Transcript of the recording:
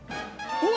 うわ！